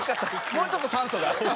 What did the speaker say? もうちょっと酸素が。